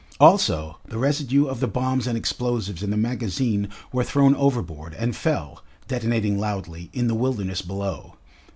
Also the residue of the bombs and explosives in the magazine were thrown overboard and fell, detonating loudly, in the wilderness below.